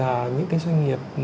là những cái doanh nghiệp